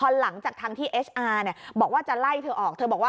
มันต้องมีใดไปบอกว่าจะไล่เธอออก